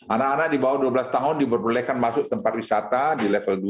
anak anak di bawah dua belas tahun diperbolehkan masuk tempat wisata di level dua